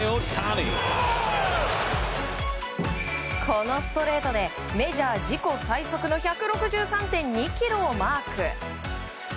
このストレートでメジャー自己最速の１６３．２キロをマーク。